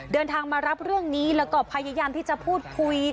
เดินทางมารับเรื่องนี้แล้วก็พยายามที่จะพูดคุย